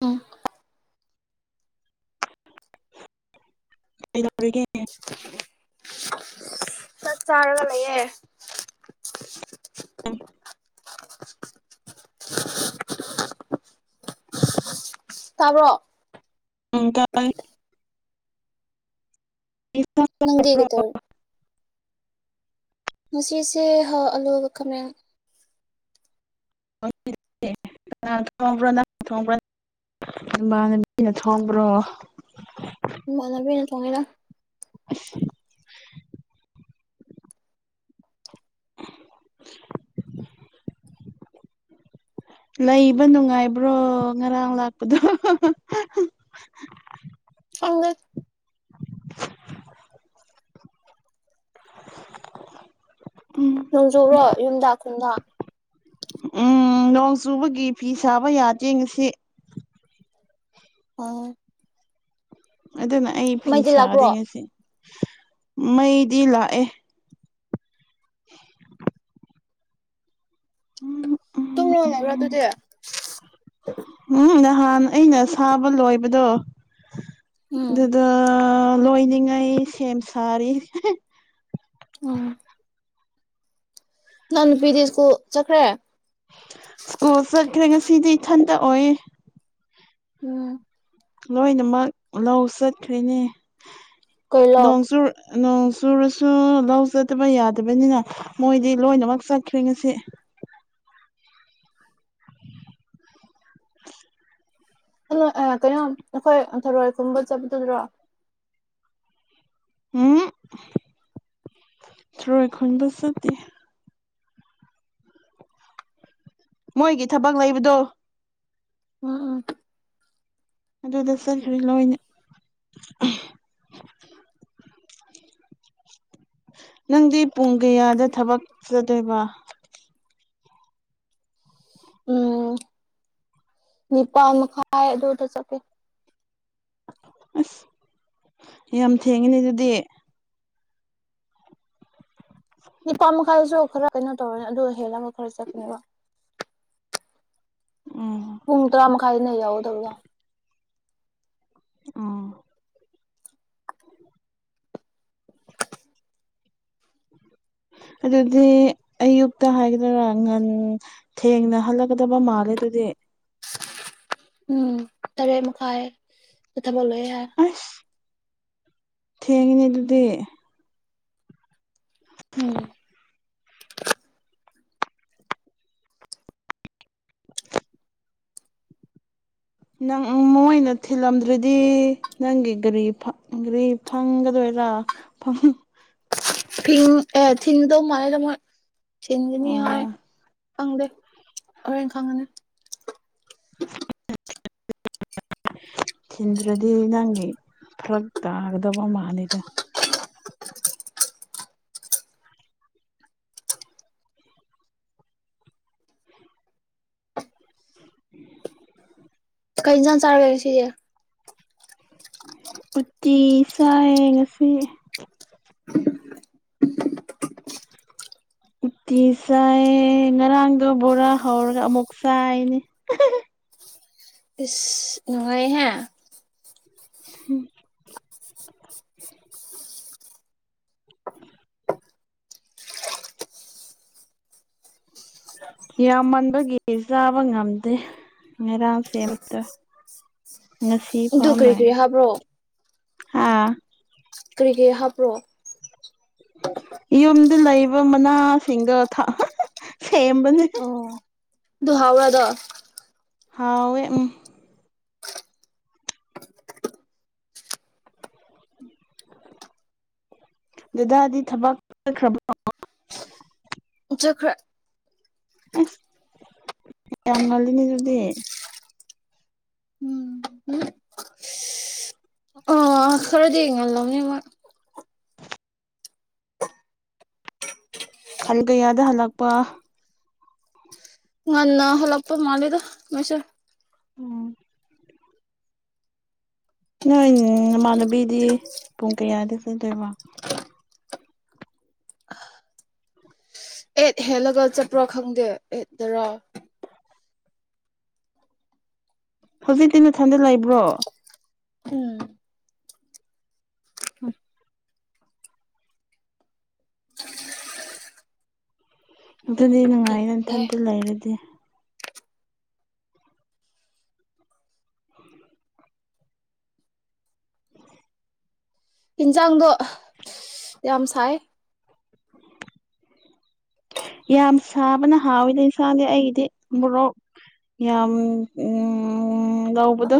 ꯎꯝ ꯔꯒ ꯎ ꯆꯠ ꯆꯥꯔꯒ ꯂꯩꯌꯦ ꯇꯔꯛ ꯑ ꯅꯪꯗꯤ ꯀꯥꯏ꯭ꯔꯣ ꯀꯩꯗꯧꯔꯤ ꯉꯁꯤꯁꯦ ꯑꯂꯨ ꯀꯃ ꯅꯪ ꯊꯣꯡꯕ꯭ꯔꯣ ꯅꯪ ꯊꯣꯡꯕ꯭ꯔꯣ ꯅ ꯝꯕꯩꯅ ꯊꯣꯡꯕ꯭ꯔꯣ ꯃꯅꯕꯤꯅ ꯆꯦꯅ ꯑ [unintelligible] ꯂꯩꯕ ꯅꯨꯡꯉꯥꯏꯕ꯭ꯔꯣ ꯉꯔꯥꯡ ꯂꯥꯛꯄꯗꯣ ꯐꯪꯗ [inaudible] ꯅꯣꯡꯖꯨꯨꯔꯣ ꯌꯨꯝꯗ ꯈꯨꯨꯝꯗ ꯎꯝ ꯅꯣꯡ ꯆꯨꯕꯒꯤ ꯐꯤ ꯁꯥꯕ ꯌꯥꯗꯦ ꯉꯁꯤ ꯑꯣ ꯑꯗꯨꯅ ꯑꯩ ꯐꯤ ꯃꯩꯗꯤ ꯁꯥꯗ ꯂꯥꯛꯄ꯭ꯔꯣ ꯉꯁꯤ ꯃꯩꯗꯤ ꯂꯥꯛꯑꯦ [unintelligible] ꯇꯨꯡ ꯎꯝ ꯌꯣꯟꯕ꯭ꯔꯣ ꯑꯗꯨꯗꯤ ꯎꯝ ꯅꯍꯥꯟ ꯑꯩꯅ ꯁꯥꯕ ꯂꯣꯏꯕꯗꯣ ꯎꯝ ꯑꯗꯨꯗ ꯂꯣꯏꯅꯤꯡꯉꯥꯏ ꯁꯦꯝ ꯁꯥꯔꯤ ꯎꯝ ꯅꯪ ꯅꯨꯄꯤꯗꯤ ꯁ꯭ꯀꯨꯜ ꯆꯠꯈ꯭ꯔꯦ ꯁ꯭ꯀꯨꯜ ꯆꯠꯈ꯭ꯔꯦ ꯉꯁꯤꯗꯤ ꯏꯊꯟꯇ ꯑꯣꯏꯌꯦ ꯎꯝ ꯂꯣꯏꯅꯃꯛ ꯂꯧ ꯆꯠꯈ꯭ꯔꯦꯅꯦ ꯀꯩꯂꯣ ꯅꯣꯡꯖꯨ ꯅꯣꯡ ꯆꯨꯔꯁꯨ ꯂꯧ ꯆꯗꯕ ꯌꯥꯗꯕꯅꯤꯅ ꯃꯣꯏꯗꯤ ꯂꯣꯏꯅꯃꯛ ꯆꯠꯈ꯭ꯔꯦ ꯉꯁꯤ ꯍꯂꯣ ꯀꯩꯅꯣ ꯑꯩꯈꯣꯏ ꯊꯔꯣꯏ ꯈꯨꯝꯕ ꯆꯠꯄꯗꯨꯗ꯭ꯔꯣ ꯎꯝ ꯊꯔꯣꯏ ꯈꯟꯕ ꯆꯠꯇꯦ ꯃꯣꯏꯒꯤ ꯊꯕꯛ ꯂꯩꯕꯗꯣ ꯎꯝ ꯎꯝ ꯑꯗꯨꯗ ꯆꯠꯈꯔꯤ ꯂꯣꯏ ꯅꯪꯗꯤ ꯄꯨꯡ ꯀꯌꯥꯗ ꯊꯕꯛ ꯆꯗꯣꯏꯕ ꯎꯝ ꯅꯤꯄꯥꯟꯥꯏ ꯑꯗꯨꯗ ꯆꯀꯦ ꯑꯁ ꯌꯥꯝ ꯊꯦꯡꯉꯤꯅꯦ ꯑꯗꯨꯗꯤ ꯅꯤꯄꯥ ꯃꯈꯥꯏꯁꯨ ꯈꯔ ꯀꯩꯅꯣ ꯇꯧꯔꯅꯤ ꯑꯗꯨ ꯍꯦꯜꯂꯒ ꯈꯔ ꯆꯠꯅꯦꯕ ꯎꯝ ꯄꯨꯡ ꯇꯔꯥ ꯃꯈꯥꯏꯗꯅ ꯌꯥꯎꯗꯧꯖ ꯑꯥ ꯑꯗꯨꯗꯤ ꯑꯌꯨꯛꯇ ꯍꯥꯏꯒꯗꯣꯏꯔꯥ ꯉꯟ ꯊꯦꯡꯅ ꯍꯜꯂꯛꯀꯗꯕ ꯃꯥꯜꯂꯦ ꯑꯗꯨꯗꯤ ꯎꯝ ꯇꯔꯦꯠ ꯃꯈꯥꯏ ꯊꯕꯛ ꯂꯣꯏꯦ ꯌꯥꯔꯦ ꯑꯁ ꯊꯦꯡꯉꯤꯅꯦ ꯑꯗꯨꯗꯤ ꯎꯝ ꯅꯪ ꯃꯣꯏꯅ ꯊꯤꯜꯂꯝꯗ꯭ꯔꯗꯤ ꯅꯪꯒꯤ ꯒꯥꯔꯤ ꯒꯥꯔꯤ ꯐꯪꯒꯗꯣꯏꯔꯥ ꯐꯪ ꯊꯤꯟ ꯑꯦ ꯊꯤꯟꯗ ꯃꯔꯦ ꯇꯃ ꯊꯤꯟꯗꯅꯤ ꯍꯥꯏ ꯑꯣ ꯐꯪꯗꯦ ꯍꯣꯔꯦꯟ ꯈꯪꯒꯅꯤ ꯑ ꯊꯤꯟꯗ꯭ꯔꯗꯤ ꯅꯪꯒꯤ ꯐꯔꯛ ꯇꯥꯒꯗꯕ ꯃꯥꯅꯤꯗ ꯀꯩ ꯏꯟꯖꯥꯟ ꯆꯥꯔꯒꯦ ꯁꯤꯁꯦ ꯎꯇꯤ ꯁꯥꯏꯌꯦ ꯉꯁꯤ ꯎꯇꯤ ꯆꯥꯏ ꯉꯔꯥꯡꯒ ꯕꯣꯔꯥ ꯍꯧꯔꯒ ꯑꯃꯨꯛ ꯆꯥꯏꯅꯦ ꯏꯁ ꯅꯨꯡꯉꯥꯏꯍꯦ ꯎꯝ ꯌꯥꯝꯃꯟꯕꯒꯤ ꯆꯥꯕ ꯉꯝꯗꯦ ꯉꯩꯔꯥꯡ ꯁꯦꯝ ꯑꯕꯇ ꯉꯁꯤ ꯑꯗꯨ ꯐꯥꯎ ꯀꯔꯤ ꯂꯩ ꯀꯔꯤ ꯍꯥꯞꯄ꯭ꯔꯣ ꯀꯔꯤ ꯀꯔꯤ ꯍꯥꯞꯄ꯭ꯔꯣ ꯌꯨꯝꯗ ꯂꯩꯕ ꯃꯅꯥꯁꯤꯡꯗꯣ ꯁꯦꯝꯕꯅꯦ ꯑꯣ ꯑꯗꯨ ꯍꯥꯕ꯭ꯔꯗꯣ ꯍꯥꯎꯋꯦ ꯎꯝ ꯗꯦꯗꯥꯗꯤ ꯊꯕꯛꯆꯠꯈ꯭ꯔꯕ ꯆꯈ꯭ꯔꯦ ꯑꯁ ꯌꯥꯝ ꯉꯜꯂꯤꯅꯦ ꯑꯗꯨꯗꯤ ꯎꯝ ꯑꯣ ꯈꯔꯗꯤ ꯉꯜꯂꯝꯅꯤ ꯃꯣꯏ ꯍꯜꯒꯌꯥꯗ ꯍꯜꯂꯛꯄ ꯉꯟꯅ ꯍꯜꯂꯄ ꯃꯥꯂꯦꯗ ꯃꯣꯏꯁꯦ ꯎꯝ ꯅꯣꯏ ꯅꯃꯥꯟꯅꯕꯤꯗꯤ ꯄꯨꯡ ꯀꯌꯥꯗꯤ ꯄꯨꯗꯣꯏꯕ ꯑꯦꯠ ꯍꯦꯜꯂꯒ ꯆꯠꯄ꯭ꯔꯣ ꯈꯪꯗꯦ ꯑꯦꯠꯗꯔꯣ ꯍꯧꯖꯤꯛꯇꯤ ꯃꯊꯟꯗ ꯂꯩꯕ꯭ꯔꯣ ꯎꯝ ꯎꯝ ꯑꯗꯨꯗꯤ ꯅꯨꯡꯉꯥꯏ ꯑꯦ ꯏꯟꯊꯟꯇ ꯂꯩꯔꯗꯤ ꯎ ꯏꯟꯖꯥꯡꯗꯣ ꯌꯥꯝ ꯁꯥꯏ [unintelligible] ꯌꯥꯝ ꯁꯥꯕꯅ ꯍꯥꯎꯋꯤꯅꯦ ꯏꯟꯁꯥꯡꯗꯤ ꯑꯩꯒꯤꯗꯤ ꯃꯣꯔꯣꯛ ꯌꯥꯝ ꯎ ꯂꯧꯕꯗꯣ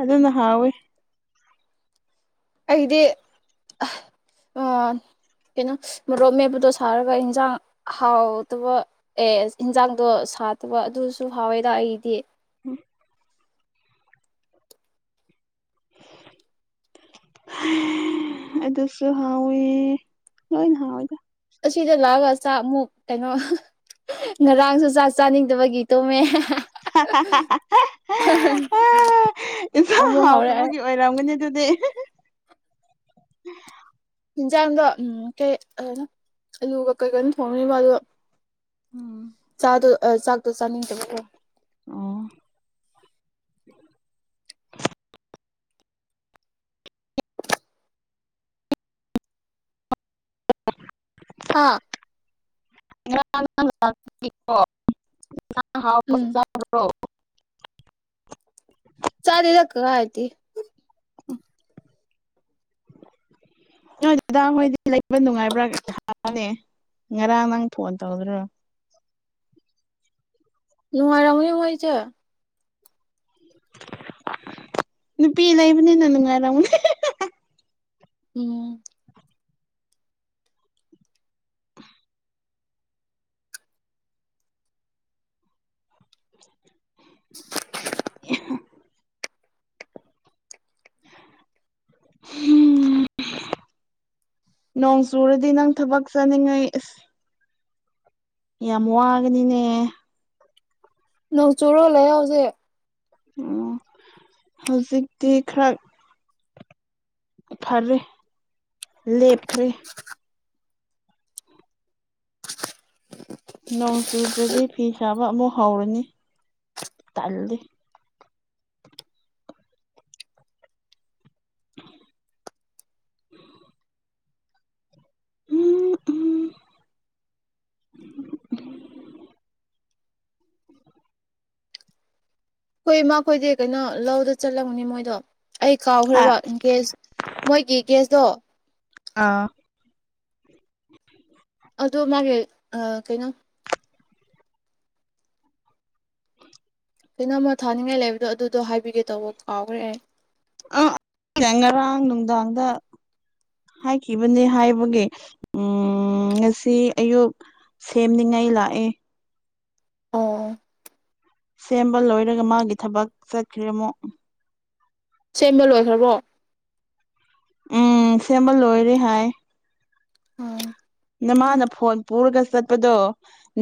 ꯑꯗꯨꯅ ꯍꯥꯎꯋꯦ ꯑꯩꯗꯤ ꯑ ꯀꯩꯅꯣ ꯃꯔꯣꯛ ꯃꯦꯄꯗꯣ ꯁꯥꯔꯒ ꯏꯟꯖꯥꯡ ꯍꯥꯎꯗꯕ ꯑꯦꯁ ꯌꯦꯟꯖꯥꯡꯗꯣ ꯁꯥꯠꯇꯕ ꯑꯗꯨꯁꯨ ꯍꯥꯎꯋꯦꯗ ꯑꯩꯗꯤ ꯍ ꯑꯗꯨꯁꯨ ꯍꯥꯎꯋ ꯂꯣꯏꯅ ꯍꯥꯎꯋꯤꯗ ꯑꯁꯤꯗ ꯂꯥꯛꯑꯒ ꯆ ꯑꯃꯨꯛ ꯀꯩꯅꯣ ꯉꯔꯥꯡꯁꯨ ꯆꯥ ꯆꯥꯅꯤꯡꯗꯕꯒꯤ ꯇꯣꯝꯃꯦ ꯏꯁꯥ ꯑꯃꯨꯛ ꯍꯧꯔꯛꯑꯦ ꯍꯥꯎꯗꯨꯕꯒꯤ ꯑꯣꯏꯔꯝꯒꯅꯤ ꯑꯗꯨꯗꯤ ꯌꯦꯟꯖꯥꯡꯗꯣ ꯎꯝ ꯀꯩ ꯑꯗꯨ ꯑꯂꯨꯒ ꯀꯩꯀꯅ ꯊꯣꯡꯉꯔꯤꯕ ꯑꯗꯣ ꯎꯝ ꯆꯥꯗꯣ ꯆꯥꯛꯗꯣ ꯆꯥꯅꯤ ꯆꯣ ꯑꯣ ꯑꯥ ꯎꯝ [unintelligible] ꯆꯥꯂꯤ ꯅꯥꯛꯀ ꯀꯥꯏꯗꯤ ꯅ ꯑꯗꯨꯗꯥ ꯍꯣꯏꯗꯤ ꯂꯩꯕ ꯅꯨꯡꯉꯥꯏꯕ꯭ꯔꯥꯅꯤ ꯉꯔꯥꯡ ꯅꯪ ꯐꯣꯟ ꯇꯧꯗꯣ ꯅꯅꯨꯡꯉꯔꯝ ꯑꯣꯏꯁ ꯅꯨꯄꯤ ꯂꯩꯕꯅꯤꯅ ꯅꯨꯡꯉꯥꯏꯔꯝꯅꯦ ꯎꯝ [inaudible] [unintelligible] ꯎꯝ [unintelligible] ꯅꯣꯡ ꯆꯨꯔꯗꯤ ꯅꯪ ꯊꯕꯛ ꯆꯥꯅꯤꯡꯉꯩ ꯑ ꯌꯥꯝ ꯋꯥꯒꯅꯤꯅꯦ ꯅꯣꯡ ꯆꯨꯔꯣꯜꯂ ꯌꯥꯎꯁꯦ ꯑꯣ ꯍꯧꯖꯤꯛꯇꯤ ꯈꯔ ꯐꯔꯦ ꯂꯦꯞꯈ꯭ꯔꯦ ꯅꯣꯡ ꯆꯨꯗ꯭ꯔꯗꯤ ꯐꯤ ꯁꯥꯕ ꯑꯃꯨꯛ ꯍꯧꯔꯅꯤ ꯇꯜꯂꯤ ꯎꯝ ꯎꯝ ꯍꯈꯣꯏ ꯃꯈꯣꯏꯗꯤ ꯀꯩꯅꯣ ꯂꯧꯗ ꯆꯠꯂꯝꯒꯅꯤ ꯃꯣꯏꯗꯣ ꯑꯩ ꯍꯥ ꯀꯥꯎꯈ꯭ꯔꯦꯕ ꯏꯟ ꯀꯦꯁ ꯃꯣꯏꯒꯤ ꯒ꯭ꯁꯇꯣ ꯑꯥ ꯑꯗꯣ ꯃꯥꯒꯤ ꯀꯩꯅꯣ ꯀꯩꯅꯣꯝꯃ ꯊꯥꯅꯤꯡꯉꯥꯏ ꯂꯩꯕꯗꯣ ꯑꯗꯨꯗꯣ ꯍꯥꯏꯕꯤꯒꯦ ꯇꯧꯕ ꯀꯥꯎꯈ꯭ꯔꯦ ꯑꯦ ꯑ ꯉꯔꯥꯡ ꯅꯨꯡꯗꯥꯡꯗ ꯍꯥꯏꯈꯤꯕꯅꯤ ꯍꯥꯏꯕꯒꯤ ꯎꯝ ꯉꯁꯤ ꯑꯌꯨꯛ ꯁꯦꯝꯅꯤꯡꯉꯥꯏ ꯂꯥꯛꯑꯦ ꯑꯣ ꯁꯦꯝꯕ ꯂꯣꯏꯔꯒ ꯃꯥꯒꯤ ꯊꯕꯛ ꯆꯠꯈ꯭ꯔꯦ ꯑꯃꯨꯛ ꯁꯦꯝꯕ ꯂꯣꯏꯈ꯭ꯔꯕꯣ ꯎꯝ ꯁꯦꯝꯕ ꯂꯣꯏꯔꯦ ꯍꯥꯏ ꯎꯝ ꯅꯃꯥꯅ ꯐꯣꯟ ꯄꯨꯔꯒ ꯆꯠꯄꯗꯣ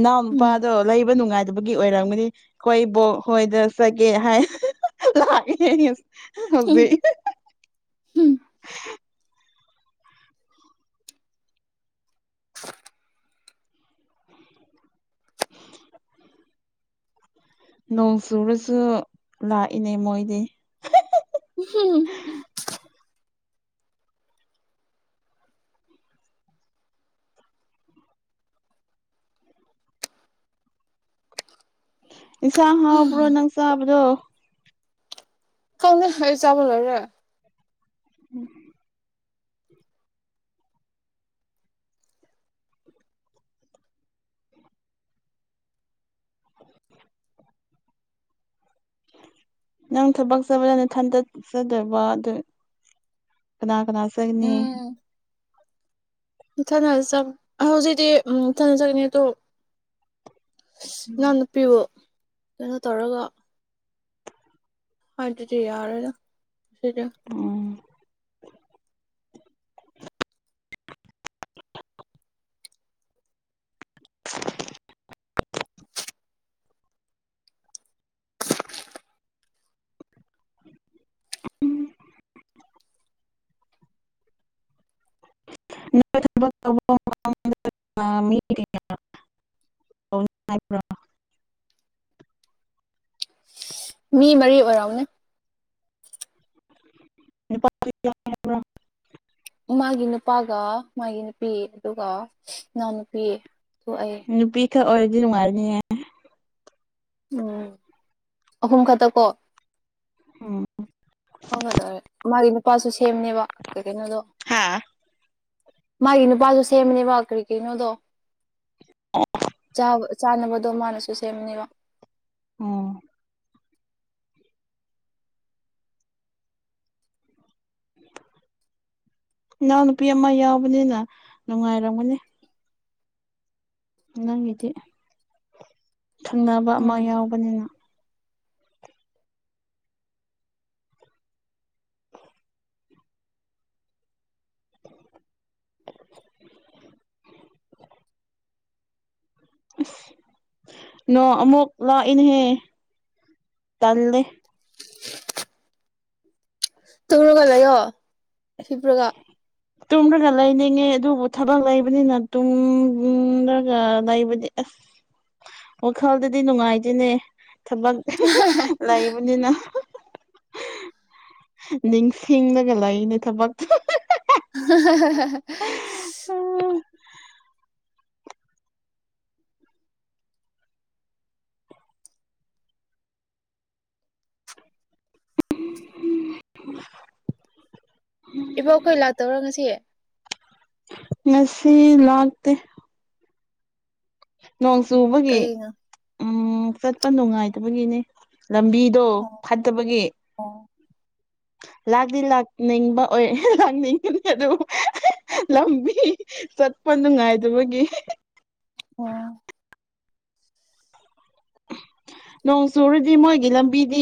ꯅꯅꯥꯎ ꯎꯝ ꯅꯨꯄꯥꯗꯣ ꯂꯩꯕ ꯅꯨꯡꯉꯥꯏꯗꯕꯒꯤ ꯑꯣꯏꯔꯝꯒꯅꯤ ꯑꯩꯈꯣꯏꯕꯨ ꯍꯣꯏꯗ ꯆꯒꯦ ꯍꯥꯏ ꯂꯦ ꯍꯅꯤ ꯍꯧꯖꯤꯦ ꯎꯝ ꯅꯣꯡ ꯆꯨꯔꯁꯨ ꯂꯥꯛꯏꯅꯦ ꯃꯣꯏꯗꯤ [unintelligible] ꯏꯟꯁꯥꯡ ꯍꯥꯎꯕ꯭ꯔꯣ ꯅꯪ ꯆꯥꯕꯗꯣ ꯀꯪꯑ ꯑꯩ ꯆꯕ ꯂꯣꯏꯔꯦ ꯎꯝ ꯅꯪ ꯊꯕꯛ ꯆꯕꯗ ꯅꯊꯟꯇ ꯆꯗꯔꯕꫭ ꯑꯗꯨ ꯀꯅꯥ ꯀꯅꯥ ꯆꯠꯒꯅꯤ ꯎꯝ ꯏꯊꯅ ꯍꯧꯖꯤꯛꯇꯤ ꯎꯝ ꯏ ꯊꯅ ꯆꯠꯅꯤ ꯑꯗꯣ ꯏꯅꯥꯎ ꯅꯨꯨꯄꯤꯕꯨ ꯀꯩꯅꯣ ꯇꯧꯔꯒ ꯍ ꯌꯥꯔ ꯑꯣꯝ [unintelligible] [unintelligible] [unintelligible] ꯃꯤ ꯃꯔꯤ ꯑꯣꯏꯔꯎꯅꯦ ꯭ꯔꯣ [unintelligible] ꯃꯥꯒꯤ ꯅꯨꯄꯥꯒ ꯃꯥꯒꯤ ꯅꯨꯄꯤ ꯑꯗꯨꯒ ꯏꯅꯥꯎ ꯅꯨꯨꯄꯤ ꯑꯩ ꯅꯨꯄꯤꯈꯛ ꯑꯣꯏꯔꯗꯤ ꯅꯨꯡꯉꯥꯏꯔꯅꯤꯍ ꯎꯝ ꯑꯍꯨꯝ ꯈꯛꯇꯀꯣ ꯎꯝ ꯐꯪꯒꯗꯧꯔꯦ ꯃꯥꯒꯤ ꯅꯨꯄꯥꯁꯨ ꯁꯦꯝꯅꯦꯕ ꯀꯩ ꯀꯩꯅꯣꯗꯣ ꯍꯥ ꯃꯥꯒꯤ ꯅꯨꯄꯥꯁꯨ ꯁꯦꯝꯕꯅꯦꯕ ꯀꯔꯤ ꯀꯔꯤꯅꯣꯗꯣ ꯆꯥꯅꯕꯗꯣ ꯃꯥꯅꯁꯨ ꯁꯦꯝꯅꯦꯕ ꯎꯝ ꯏꯅꯥꯎꯅꯨꯄꯤ ꯑꯃ ꯌꯥꯎꯕꯅꯤꯅ ꯅꯨꯡꯉꯥꯏꯔꯝꯒꯅꯤ ꯅꯪꯒꯤꯗꯤ ꯊꯪꯅꯕ ꯑꯃ ꯎꯝ ꯌꯥꯎꯕꯅꯤꯅ [inaudible] ꯑ ꯅꯣꯡ ꯑꯃꯨꯛ ꯂꯥꯛꯏꯅꯦꯍꯦ ꯇꯜꯂꯦ ꯇꯨꯔꯒ ꯂꯩꯌꯣ ꯍꯄ꯭ꯔꯒ [inaudible] ꯇꯨꯝꯗ꯭ꯔꯒ ꯂꯩꯅꯤꯡꯉꯦ ꯑꯗꯨꯕꯨ ꯊꯕꯛ ꯂꯩꯕꯅꯤꯅ ꯇꯨꯡꯗ꯭ꯔꯒ ꯂꯩꯕꯗꯤ ꯑꯁ ꯋꯥꯈꯜꯗꯗꯤ ꯅꯨꯡꯉꯥꯏꯇꯅꯦ ꯊꯕꯛ ꯑꯍꯥ ꯍꯥ ꯂꯩꯕꯅꯤꯅ ꯅꯤꯡꯁꯤꯡꯂꯒ ꯂꯩꯅꯦ ꯊꯕꯛ [inaudible] ꯍꯥꯍꯥꯍꯥꯍꯥ ꯎꯝ ꯎꯝ [unintelligible] ꯏꯕꯣ ꯑꯩꯈꯣꯏ ꯂꯥꯛꯇꯧꯔꯣ ꯉꯁꯤ ꯃꯁꯤ ꯂꯥꯛꯇꯦ ꯅꯣꯡ ꯆꯨꯕꯒꯤ ꯀꯩꯅꯣ ꯎ ꯆꯠꯄ ꯅꯨꯡꯉꯥꯏꯇꯕꯒꯤꯅꯦ ꯂꯝꯕꯤꯗꯣ ꯑꯣ ꯐꯠꯇꯕꯒꯤ ꯑꯣ ꯂꯥꯛꯇ ꯂꯥꯛꯅꯤꯡꯕ ꯑꯣꯏ ꯂꯥꯛꯅꯤꯡꯕꯅꯤ ꯑꯗꯨ ꯂꯝꯕꯤ ꯆꯠꯄ ꯅꯨꯡꯉꯥꯏꯗꯕꯒꯤ ꯑꯣ ꯅꯣꯡ ꯆꯨꯔꯗꯤ ꯃꯣꯏꯒꯤ ꯂꯝꯕꯤꯗꯤ